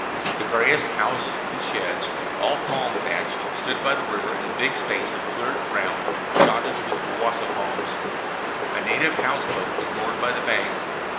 The various houses and sheds, all palm thatched, stood by the river in a big space of cleared ground, dotted with wawasa palms. A native house boat was moored by the bank.